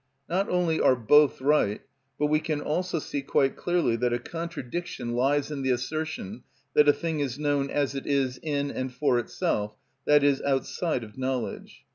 Not only are both right, but we can also see quite directly that a contradiction lies in the assertion that a thing is known as it is in and for itself, i.e., outside of knowledge.